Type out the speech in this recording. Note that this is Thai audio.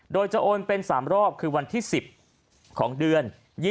โดยจะโอนเป็น๓รอบคือวันที่๑๐ของเดือน